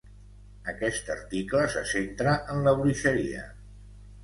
Aquest article se centra en la bruixeria.